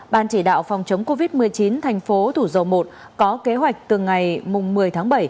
ban chỉ đạo phòng chống covid một mươi chín thành phố thủ dầu một có kế hoạch từ ngày một mươi tháng bảy